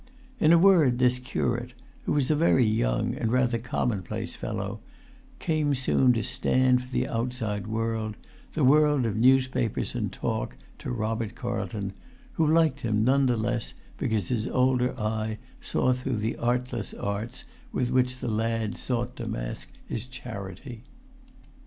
In a word this curate, who was a very young and rather commonplace fellow, came soon to stand for the outside world, the world of newspapers and talk, to Robert Carlton, who liked him none the less because his older eye saw through the artless arts with which the lad sought to mask his charity.